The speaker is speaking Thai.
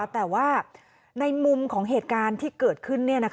แต่ว่าในมุมของเหตุการณ์ที่เกิดขึ้น